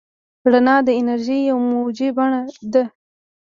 رڼا د انرژۍ یوه موجي بڼه ده.